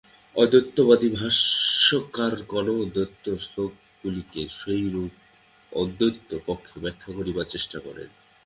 অদ্বৈতবাদী ভাষ্যকারগণও দ্বৈত শ্লোকগুলিকে সেইরূপ অদ্বৈতপক্ষে ব্যাখ্যা করিবার চেষ্টা করেন।